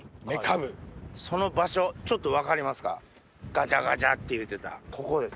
ガチャガチャっていうてたここです。